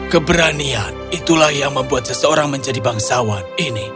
keberanian itulah yang membuat seseorang menjadi bangsawan ini